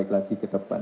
baik lagi ke depan